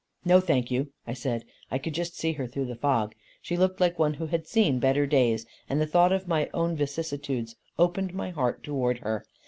"No thank you," I said: I could just see her through the fog. She looked like one who had seen better days, and the thought of my own vicissitudes opened my heart towards her.